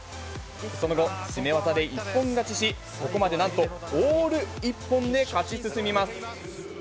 その後、絞め技で一本勝ちし、そこまでなんとオール一本で勝ち進みます。